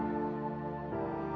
kamu harus mencoba untuk mencoba